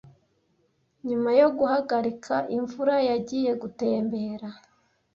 Nyuma yo guhagarika imvura, yagiye gutembera.